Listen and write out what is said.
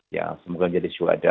ya semoga jadi suada